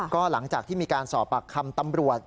ก็หลังจากที่มีการสอบปากคำตำรวจ